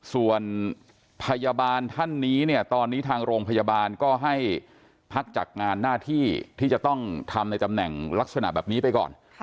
ส่วนพยาบาลท่านนี้เนี่ยตอนนี้ทางโรงพยาบาลก็ให้พักจากงานหน้าที่ที่จะต้องทำในตำแหน่งลักษณะแบบนี้ไปก่อน